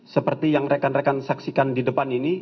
seperti yang rekan rekan saksikan di depan ini